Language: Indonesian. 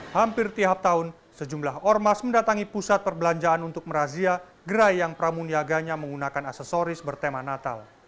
hampir tiap tahun sejumlah ormas mendatangi pusat perbelanjaan untuk merazia gerai yang pramuniaganya menggunakan aksesoris bertema natal